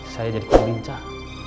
saya jadi kumincah